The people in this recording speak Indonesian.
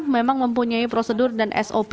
memang mempunyai prosedur dan sop